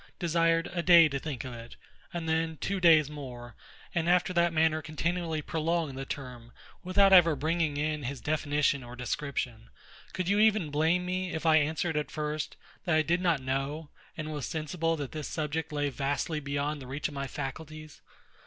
desired a day to think of it, and then two days more; and after that manner continually prolonged the term, without ever bringing in his definition or description? Could you even blame me, if I had answered at first, that I did not know, and was sensible that this subject lay vastly beyond the reach of my faculties?